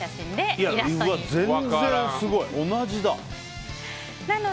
全然すごい、同じだ。